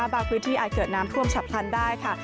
พื้นที่อาจเกิดน้ำท่วมฉับพลันได้ค่ะ